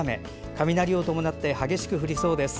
雷を伴って激しく降りそうです。